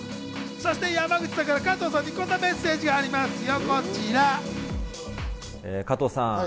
山口さんから加藤さんにこんなメッセージがありますよ。